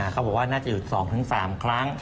เขาบอกว่าน่าจะอยู่๒๓ครั้ง